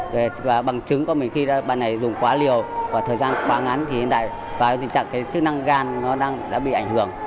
và bằng chứng của mình khi ban này dùng quá liều và thời gian quá ngắn thì hiện tại và tình trạng cái chức năng gan nó đã bị ảnh hưởng